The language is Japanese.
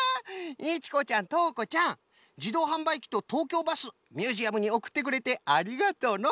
いちこちゃんとうこちゃんじどうはんばいきととうきょうバスミュージアムにおくってくれてありがとうのう。